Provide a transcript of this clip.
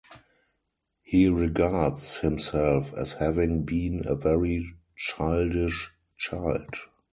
He regards himself as having been a very childish child.